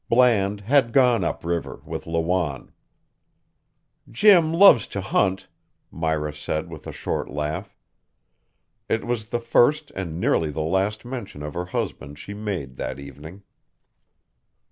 Bland had gone up river with Lawanne. "Jim lives to hunt," Myra said with a short laugh. It was the first and nearly the last mention of her husband she made that evening.